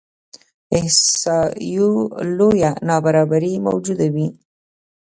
احصایو لویه نابرابري موجوده وي.